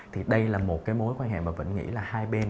thì đây là một cái mối quan hệ mà vẫn nghĩ là hai bên